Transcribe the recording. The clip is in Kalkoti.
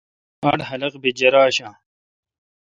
آڈ خلق بی جرہ آشہ۔